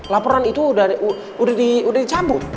laporan itu udah dicabut